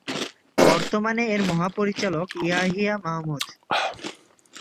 বর্তমানে এর মহাপরিচালক ইয়াহিয়া মাহমুদ।